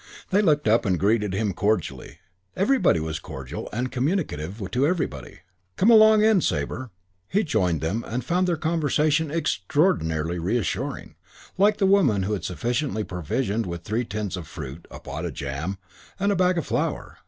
They looked up and greeted him cordially. Everybody was cordial and communicative to everybody. "Come along in, Sabre." He joined them and he found their conversation extraordinarily reassuring, like the woman who had sufficiently provisioned with three tins of fruit, a pot of jam and a bag of flour.